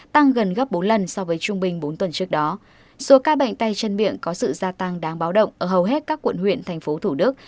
tăng gần gấp bốn lần so với trung bình bốn tuần trước đó số ca bệnh tay chân miệng có sự gia tăng đáng báo động ở hầu hết các quận huyện thành phố thủ đức